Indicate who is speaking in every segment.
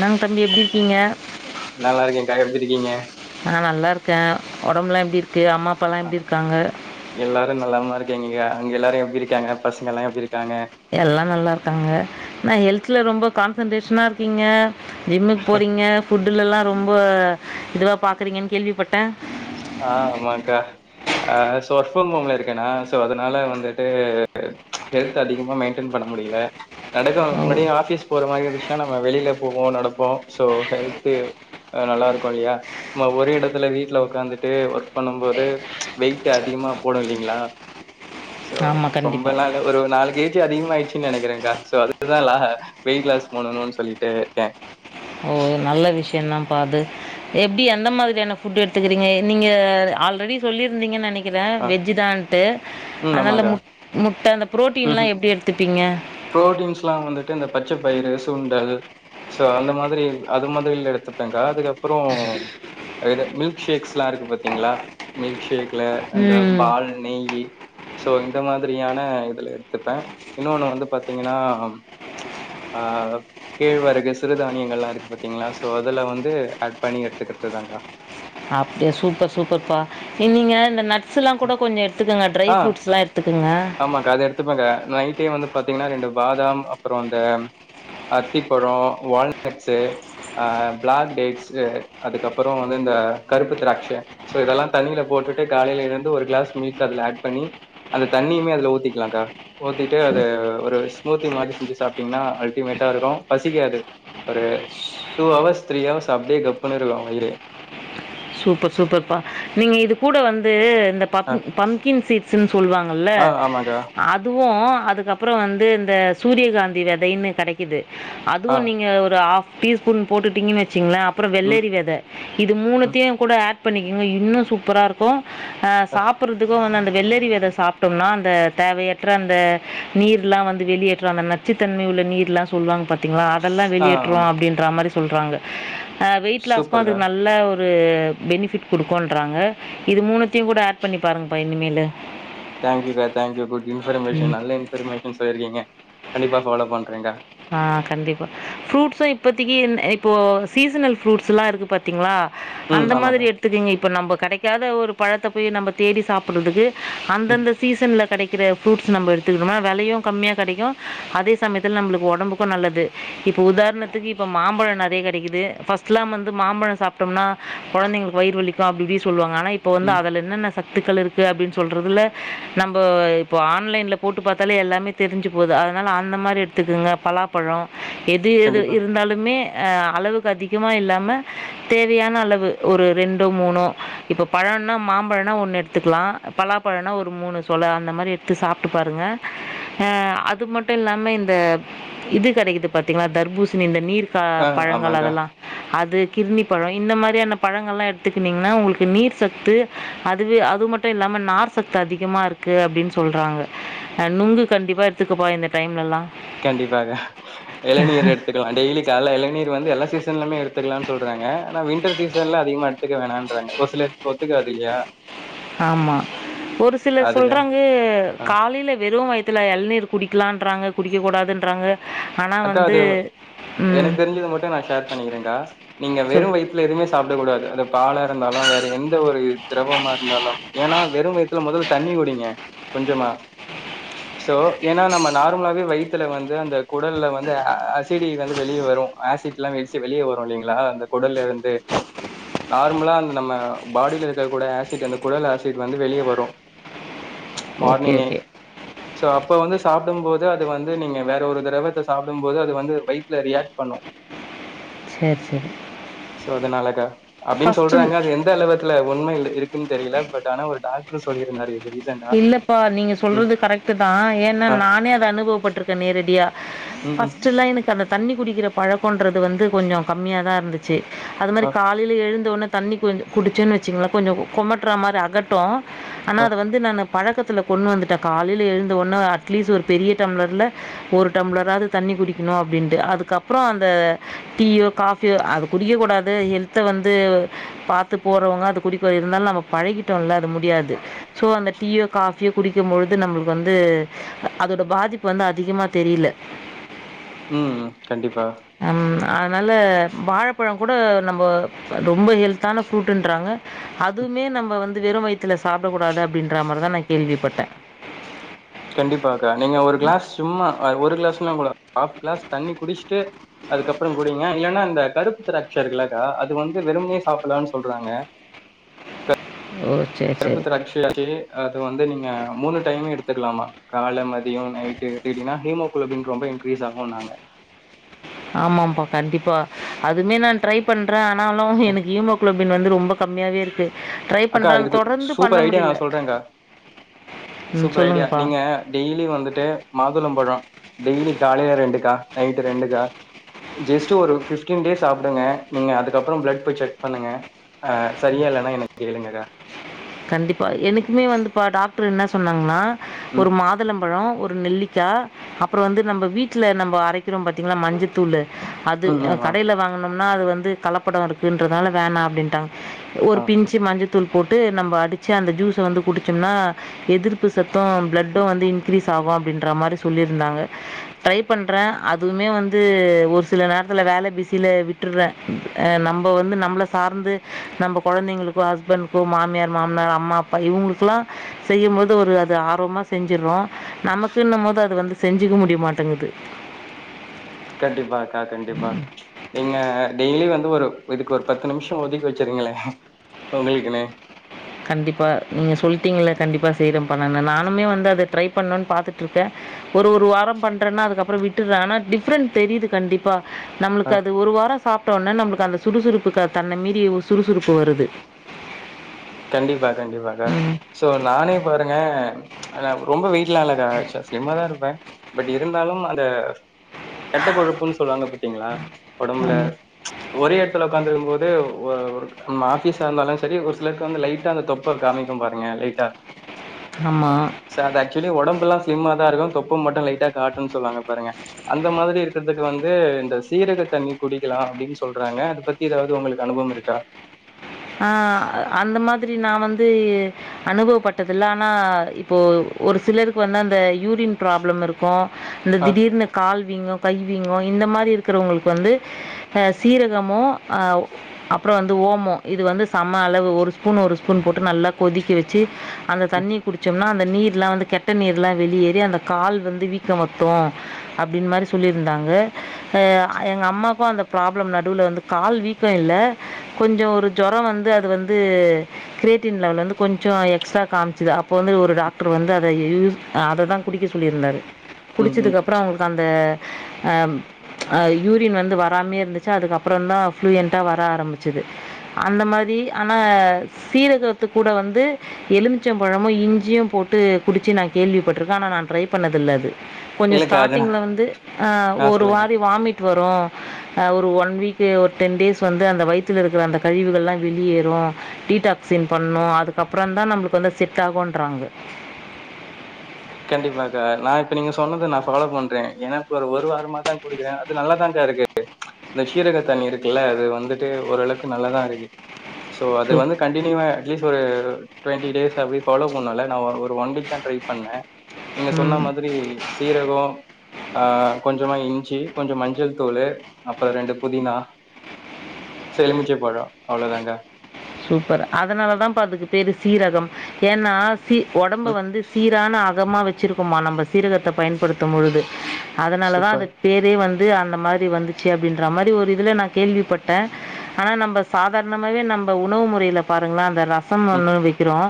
Speaker 1: நங்க தம்பி எப்படி இருக்கீங்க
Speaker 2: நல்லா இருக்கேன்க்கா எப்டி இருக்கீங்க?
Speaker 1: ஆஹ் நல்லா இருக்க ருக்கேன் உடம்புலாம் எப்படி இரு அம்மா அப்பல்லாம் எப்படி இருக்காங்க
Speaker 2: ங்க எல்லாரும் எப்படி இருக்காங்க பசங்க எல்லாம் எப்ப இருக்கிங்
Speaker 1: எல்லாம் நல்லா இருக்காங்க நான் ஹெல்தல ரொம்ப கான்சென்ட்ரேஷனாக இருக்கீங்க ஜிம்முக்கு போறீங்க புட் ல எல்லாம் ரொம்ப இதுவா பாக்குறீங்கன்னு கேள்விப்பட்டேன்
Speaker 2: ஆஹ் ஆமாக்கா ஆஹ் சோ ஒர்க் ஃபிரம் ஹோம்ல இருக்கேனா சோ அதனால வந்துட்டு ஹெல்த் அதிகமா மெயின்டென் பண்ண முடியல நடக்கும்
Speaker 1: ஓ
Speaker 2: முன்னா ஆபீஸ் போற மாதிரி இருந்துச்சுன்னா நம்ம வெளியில போவோம் நடப்போம் சோ ஹெல்து நல்லாருக்கும் இல்லையா நம்ம ஒரே இடத்துல வீட்டுல உக்காந்து ஒர்க் பண்ணும் போது வெயிட் அதிகமா போடும் இல்லைங்களா சோ
Speaker 1: ஆமாம்
Speaker 2: ரொம்பலாம் இல்ல
Speaker 1: கண்டிப்பாக
Speaker 2: நாள் ஒரு நாளைக்கு அதிகமாயடுச்சு நினைக்கிறேன்கா சோ அதுதான் வெயிட் லாஸ் போண்ணணும்னு சொல்லிட்டு இருக்கேன்
Speaker 1: ஓ நல்ல விஷயம் தான் பாது எப்படி எந்த மாதிரியான புபுட் எடுத்துக்கறீங்க நீங்க ஆல்ரெடி சொல்லியிருந்தீங்க நைக்க க்கிறேன்
Speaker 2: அ
Speaker 1: வெஜ்ஜு தான்ட்டு
Speaker 2: ம்
Speaker 1: அதனால
Speaker 2: ஆமாக்கா.
Speaker 1: மு முட்டை அந்த பு்ரோட்டீன் எலாம் எப்படி எடுத்துப்பீங்க
Speaker 2: புரோட்டீன்ஸ் எல்லாம் வந்துட்டு இந்த பச்சை பயிறு சுண்டல் சோ அந்த மாதிரி அது மாதிரில எடுத்துப்பேங்க அதுக்கப்புறம் மில்க் ஷேக்ஸ் எல்லாம் இருக்கு பாாரத்தீங்களா மில்க் ஷேக் இந்த
Speaker 1: ம்
Speaker 2: பால் நெய்யி சோ இந்த மாதிரியான இதுல எடுத்துப்பேன் இன்னொன்னு வந்து பாத்தீங்கன்னா ஆஹ் கேழ்வருகு சிறுதானியங்கள் எலாம் இருக்கு பாத்தீங்களா சோ அததுல வந்து ஆட் பண்ணி எடுத்துக்கிறது தாங்கா
Speaker 1: அப்படியா சூப்பர் சூப்பர்ப்பா இ நீங்க இந்த ஸ்லாம் கூட கொஞ்சம் எடுத்துக்கங்க ட்ரை
Speaker 2: ஆ
Speaker 1: ஃப்ரூட்ஸ்லாம் எடுத்துக்கங்க
Speaker 2: ஆமாக்கா. அது எடுத்துப்பேங்க்கா. நைட்டே வந்து பா்த்தீங்கன்னா ரெண்டு பாதாம் அப்புறம் இந்த அத்திப்பழம் வால்நட்ஸு பிளாக்டேட்ஸ் அதுக்கப்புறம் வந்து இந்த கருப்பு திராட்சைோ இதெல்லாம் தண்ணியில போட்டுட்டு காலையையில் எழுந்து ஒரு கிளாஸ் மில்க் அதுல ஆட் பண்ணி அந்த தண்ணியுமே அதுல ஊத்திக்கலாம்க்கா ஊத்திட்டு அது
Speaker 1: சூ-
Speaker 2: ஒரு ஸ்மூத்தி மாரி செஞ்சு சாிட்டீங்கன்னா அல்டிமேட்டா இருக்கும் பசிக்காது ஒரு டூ ஹவர்ஸ் த்ரீ ஹவர்ஸ் அப்டியே கப்ன்னு இருக்கும் வயிறு
Speaker 1: சூப்பர் சூப்பர்ப்பா நீங்க இது கூட வந்து இந்த ப
Speaker 2: ஆ
Speaker 1: பம்ப்கின் சீட்ஸ்ன்னு சொல்லுவாங்கல்ல
Speaker 2: ஆ ஆமாக்கா
Speaker 1: அதுவும் அதுக்கப்புறம் வந்து இந்த சூரியகாந்தி விதைன்னு கிடைக்கிது
Speaker 2: ஆ
Speaker 1: அதுவும் நீங்க ஒரு ஆ டீ ஸ்பூன் போட்டுட்டீங்கனு வச்சுங்களே அப்பறோ
Speaker 2: ம்
Speaker 1: வெள்ளரி வெத இது மூணுத்
Speaker 2: ம்
Speaker 1: கூட ஆட் பண்ணிக்கங்க இன்னு சூப்பரா இருக்கும் அ சாப்புடறதுக்கு வந்து அந்த வெள்ளரி வித சாப்டம்னா அந்த ஃ த தேவையற்ற அந்த நீருல்லா வந்து வெளியேற்று அந்த நச்சுத்தன்மை உள்ள நீர்லா சொல்லுவாங்க ப ங்களா அதெல்லா
Speaker 2: ஆ
Speaker 1: வெளியேற்றுவுறோ
Speaker 2: ஆமாம்
Speaker 1: அப்டின்ற மாரி சொல்றாங்க அ வெயிட் லாஸ்கு
Speaker 2: சூப்பர்க்கா
Speaker 1: அதுக்கு நல்ல ஒரு ஒரு பெனிஃபிட் கொடுக்கோன்றாங்க இது மூணத்தையு கூட ஆட் பண்ணி பாருங்க பா இனிமேலு
Speaker 2: தேங்க்யூகா தேங்க்யூ குட் இன்ஃபர்மேஷன் நல்ல இன்ஃபர்மேஷன் சொல்லிருக்கீங்க கண்டிப்பா ஃபாலோ பண்றேங்க
Speaker 1: ஆ கண்டிப்பா ஃப்ரூட்ஸும் இப்பத்தக்கி இந் இப்போ சீசனல் ஃப்ரூட்ஸ் எல்லா இருக்கு பாத்தீங்ளா
Speaker 2: ம்
Speaker 1: அந்த மாதிரி
Speaker 2: ஆமாக்கா
Speaker 1: எடுத்துக்கிவீங்க இப்ப நம்ப கெடக்காத ஒரு பழத்த போய் நம்ம தேடி சாப்புறதுக்கு
Speaker 2: ம்
Speaker 1: அந்தந்த சீசன்ல கெடக்கிற ஃப்ரூட்ஸ் நம்ம எடுத்துக்கிட்டோம்ன வெலையு கம்மியா கெடைக்கு அதே சமயத்தில் நம்மளுக் ஒடம்புக்கும் நல்லது இப்ப உதாரணத்துக்கு இப்ப மாம்பழம் நெறைய கெடைக்குது ஃபஸ்ட்லாம் வந்து மாம்பழம் சாப்டம்னா கொழந்தைங்களுக்கு வயிறு வலிக்கு அப்டி இப்டி சொல்லுவாங்க ஆனா இப்போ வந்து
Speaker 2: ம்
Speaker 1: அதுல என்னென்ன சத்துக்கள் இருக்கு அப்டின்னு சொல்றதுல நம்ம இப்ப ஆன்லைன்ல போட்டு பாத்தாலே எல்லாமே தெரிஞ்சு போது அதனால அந்த மாறி எடுத்துக்கங்க பலாப்பழோ எது எது
Speaker 2: கண்டிப்பாக
Speaker 1: இருந்தாலுமே அ அளவுக்கு அதிகமா இல்லாம தேவையான அளவு ஒரு ரெண்டோ மூணோ இப்போ பழன்னா மாம்பழன்னா ஒன்னு எடுத்துக்கலா பலாப்பழனா ஒரு மூணு சொல அந்த மாறி எடுத்து சாப்ட்டு பாருங்க ஆ அது மட்டும் இல்லாம இந்த இது கெடைக்குது பாத்தீங்கலா தர்பூசணி இந்த நீர் ப
Speaker 2: ஆ
Speaker 1: பழங்கள்
Speaker 2: ஆமாங்க்கா
Speaker 1: அதெல்லா அது கிர்ணி பழோ இந்த மாதிரியான பழங்கள்லா எடுத்துக்கினிங்ன்னா உங்களுக்கு நீர் சத்து அதுவே அது மட்டும் இல்லாம நார் சத்து அதிகமாக இருக்கு அப்டின்னு சொல்கிறாங்க நுங்கு கண்டிப்பா எடுத்துக்கப்பா இந்த டைம்லல்லா
Speaker 2: கண்டிப்பாக எளநீர் எடுத்துக்கலா டெய்லி காலில எளநீர் வந்து எல்லா சீசன்லமே எடுத்துக்கலான்னு சொல்றாங்க ஆனா வின்டர் சீசன்ல அதிகமா எடுத்துக்க வேணான்றாங்க ஒரு சிலர்க்கு ஒத்துக்காதுல்லையா
Speaker 1: ஆமா ஒரு சிலர் சொல்றாங்க
Speaker 2: அ.
Speaker 1: காலையில வெறும் வயத்துல எளநீர் குடி க்கலான்றாங்க குடிக்க கூடாதுன்றாங்க ஆனா
Speaker 2: அக்கா
Speaker 1: வந்து
Speaker 2: அது
Speaker 1: ம்.
Speaker 2: எனக்கு தெரிஞ்சது மட்டும் நா ஷேர் பண்ணிக்கிரேங்கா நீங்க
Speaker 1: சொல்
Speaker 2: வெறும் வயித்துல எதுமே சாப்டக்கூடாது அந்த பாலா இருந்தாலு வேற எந்த ஒரு திரவமா இருந்தாலும் ஏன்னா வெறும் வயித்துல மொதல்ல தண்ணி குடிங்க கொஞ்சமா சோ ஏன்னா நம்ம நார்மலாவே வயித்துல வந்து அந்த குடல்ல வந்து அ அசிடி வந்து வெளிய வரும் ஆசிட்ல்லாம் வெடிச்சு வெளிய வரு இல்லைங்களா அந்த குடல்ல இருந்து நார்மலா அந்த நம்ம ஃபாடியில இருக்க கூட ஆசிட் அந்த குடல் ஆசிட் வந்து வெளிய வரு
Speaker 1: ஓகே,
Speaker 2: மார்னிங்கே
Speaker 1: ஓகே.
Speaker 2: சோ அப் இப்ப வந்து சாப்டும் போது அது வந்து நீங்க வேற ஒரு திரவத்த சாப்டும் போது அது வந்து வயித்துல ரியாக்ட் பண்ணும்
Speaker 1: சரி, சரி.
Speaker 2: சோ அதனாலக்கா அப்டின்னு
Speaker 1: ஃபர்ஸ்ட்டு
Speaker 2: சொல்றாங்க அது எந்த அளவத்துல உண்மை இல் இருக்குன்னு தெரியல பட் ஆனா ஒரு டாக் சொல்லிருந்தாரு
Speaker 1: இல்லப்பா நீங்க சொல்றது கரெக்ட்டுதா ஏனா
Speaker 2: ஆ
Speaker 1: நானே அத அனுபவப்பட்ருக்க நேரடியா
Speaker 2: ம் ம்
Speaker 1: ஃபஸ்ட் எல்லா எனக்கு அந்த தண்ணி குடிக்கிற பழக்கன்றது வந்து கொஞ்ச கம்மியாதா இருந்துச்சு அது
Speaker 2: ஆ
Speaker 1: மாரி காலைல எழுந் தோனே தண்ணி கொஞ்ச குடிச்சேனு வச்சுக்ங்ளே கொஞ்ச கொமட்ற மாரி அகட்டு ஆனா
Speaker 2: ஆ
Speaker 1: அது வந் து நானு பழக்கத்துல கொண்டு வந்துட்டே காலைல எழுந்த ஒண்ண அட்லீஸ்ட் ஒரு பெரிய டம்ளர்ல ஒரு டம்ளராது தண்ணி குடிக்கணு அப்டின்ட்டு அதுக்கப்ற அந்த டீயோ காஃபியோ அது குடிக்க கூடாது ஹெல்த்த வந்து பாத்து போறவங்க அது குடிக்க இருந்தாலு நம்ம பழகிட்டோல்ல அது முடியாது ஸோ அந்த டீயோ காஃபியோ குடிக்கும் பொழுது நம்ளுக்கு வந்து அதோட பாதிப்பு வந்து அதிகமாக தெரில்ல
Speaker 2: ம் கண்டிப்பா
Speaker 1: ல வாழப்பழ கூட நம்ப ரொம்ப ஹெல்தான ஃப்ரூட்ண்றாங்க அதுமே நம்ம வந்து வெறு வயித்துல சாப்டக்கூ டாது அப்டின்ற மாரிதா நா கேள்விப்பட்டே.
Speaker 2: கண்டிப்பாக்கா, நீங்க ஒரு க்ளாஸ் சும்மா ஒரு க்ளாஸ் சிங்னா கூட ஆஃப் க்ளாஸ் தண்ணி குடிச்சுட்டு அதுக்கப்பறோ குடிங்க, இல்லன்னா இந்த கருப்பு திராட்ச இருக்குல்லக்கா அது வந்து வெறுமனே சாப்புட்லாம்னு சொல்றாங்க க
Speaker 1: ஓ சரி
Speaker 2: கருப்பு
Speaker 1: சரி
Speaker 2: திராட்சையாக்கி அது வந்து நீங்க மூணு டைம் எடுத்துக்கலாமா கால மதியம் நைட்டு எடுத்துகிட்டிங்னா ஹீமோகுளோபின் ரொம்ப இன்க்ரீஸ் ஆகுன்னாங்க
Speaker 1: ஆமாப்பா, கண்டிப்பா அதுமே நா ட்ரை பண்ற ஆனாலு எனக்கு ஹீமோகுளோ பின் வந்து ரொம்ப கம்மியாவே இருக்கு ட்ரை
Speaker 2: அக்கா,
Speaker 1: பண்றேன்.
Speaker 2: இதுக்கு
Speaker 1: தொடர்ந்து பண்ண
Speaker 2: சூப்பர் ஐடியா நா
Speaker 1: முடியல.
Speaker 2: சொல்றேக்கா,
Speaker 1: ம்
Speaker 2: சூப்பர் ஐடியா,
Speaker 1: சொல்லுங்கப்பா.
Speaker 2: நீங்க டெய்லி வந்துட்டு மாதுளம்பழ டெய்லி காலைல ரெண்டுக்கா, நைட் ரெண்டுக்கா ஜெஸ்ட் ஒரு பிப்டீன் டேஸ் சப்டுங்க நீங்க அதுக்கப்பறோ பிளட் போய் செக் பண்ணுங்க அ சரியா இல்லைனா என்ன கேளுங்கக்கா
Speaker 1: கண்டிப்பா, எனக்குமே வந்துப்பா டாக்டர் என்ன சொன்னாங்கனா
Speaker 2: ம்,
Speaker 1: ஒரு மாதுளம்பழோ, ஒ ரு நெல்லிக்கா அப்பறோ வந்து நம்ப வீட்ல நம்ப அரைக்கிறோ பாத்தீங்களா மஞ்சத்தூளு அது
Speaker 2: ம்.
Speaker 1: அ
Speaker 2: ஆமா.
Speaker 1: கடைல வாங்கனு னா அது வந்து கலப்படோ இருக்குன்றதால வேணா அப்டின்ட்டாங்க ஒரு
Speaker 2: ஆ
Speaker 1: பிஞ்ச் மஞ்ச தூள் போட்டு நம்ப அடிச்சி அந்த ஜுஸ்ஸ வந்து குடிச்சோம்னா எதிர்ப்பு சத்தும் பிளட்டும் வந்து இங்க்ரீஸ் ஆகு அப்டின்றமாரி சொல்லிருந்தாங்க, டிரை பண்ற அதுமே வந்து ஒரு சில நேரத்துல வேல பிசில விட்டுட்ற அ நம்ப வந்து நம்பள சார்ந்து நம்ப கொழந்தைங்களு, ஹஸ்பண்ட், மாமியார் மாமனார், அம்மா, அப்பா இவங்களுக்குல்லா செய்யும்போது ஒரு அது ஆர்வமா செஞ்சிட்றோ நமக்குன்னும்போது அது வந்து செஞ்சுக்க முடிய மாட்டேங்குது
Speaker 2: கண்டிப்பா அக்கா, கண்டிப்பா நீங்க டெய்லி வந் து ஒரு இதுக்கு ஒரு பத்து நிமிஷோ ஒதுக்கி வச்சிருங்களே, உங்களுக்குன்னு
Speaker 1: கண்டிப்பா நீங்க சொல்ட்டீங்கல கண்டிப்பா செய்ற பா நானமே வந்து அத ட்ரை பண்ணும்ன்னனு பாத்துட்டு இருக்கேன் ஒரு ஒரு வாரம் பண்றேன்னா அதுக்கப்புறம் விட்டுறேன் ஆனா டிஃப்ரெண்ட் தெரியுது கண்டிப்பா
Speaker 2: அ.
Speaker 1: நம்மளுக்கு அது ஒரு வாரம் சாப்ட்ட உடனே நம்மளுக்கு அந்த சுறுசுறுப்புக்கு தன்மே மீறி சுறுசுறுப்பு வருது
Speaker 2: கண்டிப்பா கண்டிப்பாக்க
Speaker 1: ம்.
Speaker 2: சோ நானே பாருங்க ஆ ரொம்ப வெயிட்ல இல்லகா ஸ்லிம்மாாதான் இருப்பேன் பட் இருந்தாலும் அந்த கெட்டக்கொழப்புன்னு சொல்லுவாங்க பத்தீங்களா உடம்புல
Speaker 1: ஆம்.
Speaker 2: ஒரே எடத்துல உட்காந்துருக்கும் போது ஓ ஓ நம்ம ஆபிஸ்ஸா இருந்தாலும் செரி ஒரு சிலருக்கு வந்து லைட்டா அந்த தொப்பை காமிக்கும் பாருங்க லைட்டா
Speaker 1: ஆமா.
Speaker 2: ச அ ஆக்சுவலி உடம்பு எல்லாம் ஸ்லிம்மா தான் இருக்கும் தொப்ப மட்டும் லைட்டா காட்டும்ன்னு சொல்லுவாங்க பாருங்க அந்த மாதிரி இருக்கிறதுக்கு வந்து இந்த சீரக தண்ணி குடிக்கலாம் அப்படின்னு சொல்றாங்க அதை பத்தி ஏதாவது உங்களுக்கு அனுபவம் இருக்கா
Speaker 1: ஆ அந்த மாதிரி நான் வந்து அனுபவப்பட்டதில்ல ஆனா இப்போ ஒரு சிலருக்கு வந்து அந்த யூரின் ப்ராப்ளம் இருக்கும் இந்த
Speaker 2: ஆ
Speaker 1: திடீர்னு கால்வீங்க கைவீங்கும் இந்த மாதிரி இருக்கிறவங்களுக்கு வந்து சீரகமும் அப்புறம் வந்து ஓமம் இது வந்து செம்ம அளவு ஒரு ஸ்பூன் ஒரு ஸ்பூன் போட்டு நல்லா கொதிக்க வெச்சு அந்த தண்ணி குடிச்சோம்னா அந்த நீர்ல வந்து கெட்ட நீர் எல்லாம் வெளியேறி அந்த கால் வந்து வீக்க வத்தும் அப்படினு மாரி சொல்லிருந்தாங்க எ எங்க அம்மாக்கும் அந்த ப்ராப்ளம் நடுவுல வந்து கால் வீக்கம் இல்ல கொஞ்சம் ஒரு ஜுரம் வந்து அது வந்து கிரியேட்டின் லெவல வந்து கொஞ்சம் எக்ஸ்ட்ரா காமிச்சிது அப்போது வந்து ஒரு டாக்டர் வந்து அத யூஸ் அத தான் குடிக்க சொல்லியிருந்தாரு
Speaker 2: ம் ம் ம்.
Speaker 1: குடிச்சதுக்க அப்புறம் அவங்களுக்கு அந்த ஆ ஆ யூரின் வந்து வராமே இருந்துச்சா அதுக்கப்புறம தான் ப்ளூயண்டா வர ஆரம்பிச்சுது அந்த மாரி ஆனால் சீரகத்துக்க கூட வந்து எலுமிச்ச பழமும் இஞ்சியும் போட்டு குடிச்சி நான் கேள்விப்பட்ருக்கேன் ஆனா நான் ட்ரை பண்ணதில்ல அது கொஞ்சம்
Speaker 2: இல்லக்கா அது நா
Speaker 1: ஸ்டார்ட்டிங்ல வந்து ஆ ஒரு வாரி வாமிட் வரும் ஒரு ஒன் வீக் ஒரு டென் டேஸ் வந்து அந்த வயித்துல இருக்கிற அந்த கழிவுகள்லாம் வெளியேறும் டீடாக்சின் பண்ணும் அதுக்கப்புறம் தான் நம்மளுக்கு வந்து செட் ஆகன்றறாங்க
Speaker 2: கண்டிப்பாக்கா நான் இப்ப நீங்க சொன்னது நான் ஃபாலோ பண்றேன் ஏன்னா இப்ப ஒரு வாரமாதான் குடிக்கிறேன் அது நல்லாதானக்கா இருக்கு இந்த சீரக தண்ணி இருக்குல்ல அது வந்துட்டு ஓரளவுக்கு நல்லதான் இருக்கு சோ அது
Speaker 1: சூப்
Speaker 2: வந்து கண்டனியூவா அட்லீஸ்ட் ஒரு டுவெண்டி டேஸ் அப்டி ஃபாலோ பண்ண நான் ஒரு ஒன் வீக தான் ட்ரை பண்ணேன் நீங்க சொன்ன
Speaker 1: ம்
Speaker 2: மாதிரி சீரகம் ஆ கொஞ்சமா இஞ்சி கொஞ்சம் மஞ்சள் தூள் அப்புறம் ரெண்டு புதினா எழுமிச்சேம் பழம் அவ்வளவுதாங்க
Speaker 1: சூப்பர் அதனாலதான் பாத்துக்கு பேரு சீரகம் ஏன்னா சி உடம்ப
Speaker 2: ம்
Speaker 1: வந்து சீரான அகமா வச்ச வச்சிருக்குமா நம்ம சீரகத்த பயன்படுத்தும் பொழுது அதனால தான்
Speaker 2: சூப்பர்.
Speaker 1: அதுக்கு பேரே வந்து அந்த மாதிரி வந்துச்சு அப்படின்ற மாதிரி ஒரு இதுல நான் கேள்விப்பட்டேன் ஆனா நம்ம சாதாரணமாவே நம்ம வந் உணவு முறையில பாருங்கள அந்த ரசம்
Speaker 2: ம்
Speaker 1: ஒண்ண வைக்கிறோம்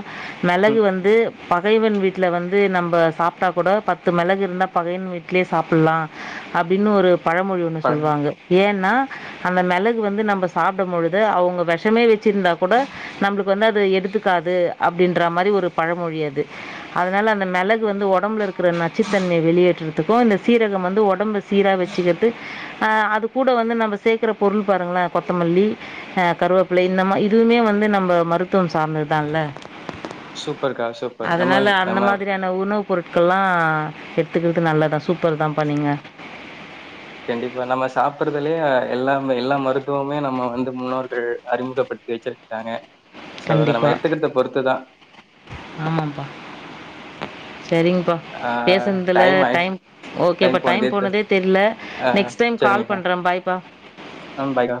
Speaker 1: மிளகு
Speaker 2: ம்
Speaker 1: வந்து பகைவன் வீட்ல வந்து நம்ம சாப்ட்டா கூட பத்து மிளகு இருந்தா பகையவன் வீட்லயே சாப்பிடலாம் அப்படின்னு ஒரு பழமொழி ஒன்னு
Speaker 2: பழம்.
Speaker 1: சொல்லுவாங்க ஏன் அந்த மிளகு வந்து நம்ம சாப்பிடும் பொழுது அவங்க விஷமே வெச் ந்தா கூட நம்ளுக்கு வந்துது எடுத்துக்காது அப்படின்ற மாரி ஒரு பழமொழி அது அதனால அந்த மிளகு வந்து உடம்புல இருக்கிற நச்சுத்தன்மைய வெளியேற்றறதுக்கும் இந்த சீரகம் வந்து உடம்ப சீர வச்சிட்டு அது கூட வந்து ந சேர்க பொருள் பாருங்கள கொத்தல்லி கருவேப்பிலை நம்ம இதுவுமே வந்து நம்ம மருத்துவம் சார்ந்ததுதான்ல்ல
Speaker 2: சூப்பர்க்கா சூப்பர். நம்ம
Speaker 1: அதனால அந்த
Speaker 2: நம்ம
Speaker 1: மாதிரியான உணவு பொருட்கள் எல்லாம் எடுத்துக்கெடுத்து நல்லதா சூப்பர் தான் பா நீங்க
Speaker 2: கண்டிப்பா நம்ம சாப்பிடுறதுலயே எல்லாம எல்லா மருத்துவமே நம்ம வந்து முன்னோர்கள் அறிமுகப்படுத்தி வச்சிருக்காங்க சோ, அத நம்ம
Speaker 1: கண்டிப்பா
Speaker 2: எடுத்துக்கிறத பொறுத்து தான்.
Speaker 1: ஆமாப்பா செரிங்க
Speaker 2: ஆ
Speaker 1: பேசதுல டைம் ஓகேப்ப டைம் போனதே தெரியல நெக்ஸ்ட் டைம் கால் பண்ற பாய் பா
Speaker 2: ஆ பாய் க